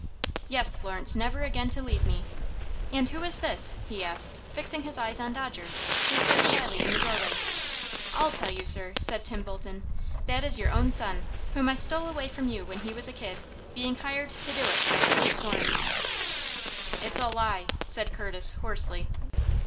"Yes, Florence, never again to leave me. And who is this?" he asked, fixing his eyes on Dodger, who stood shyly in the doorway. "I'll tell you, sir," said Tim Bolton. "That is your own son, whom I stole away from you when he was a kid, being hired to do it by Curtis Waring." "It's a lie," said Curtis, hoarsely.